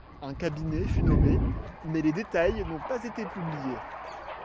Un cabinet fut nommé, mais les détails n'ont pas été publiés.